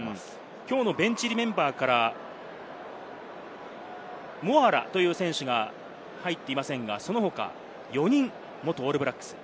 きょうのベンチメンバーからはモアラという選手が入っていませんが、その他４人、元オールブラックス。